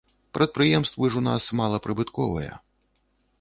Прадпрыемствы ж у нас малапрыбытковыя.